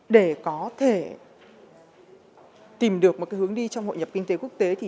để có thể tìm được một hướng đi trong hội nhập kinh tế quốc tế